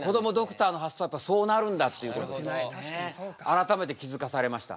改めて気付かされました。